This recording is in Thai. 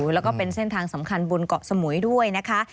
แล้วก็เป็นเส้นทางสำคัญบนเกาะสมุยด้วยนะคะ